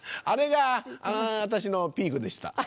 あれが私のピークでした。